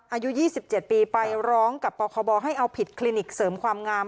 อายุ๒๗ปีไปร้องกับปคบให้เอาผิดคลินิกเสริมความงาม